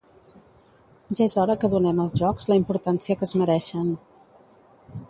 Ja és hora que donem als jocs la importància que es mereixen.